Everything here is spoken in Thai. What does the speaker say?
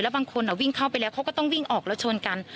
บางคนวิ่งเข้าไปแล้วเขาก็ต้องวิ่งออกแล้วชนกัน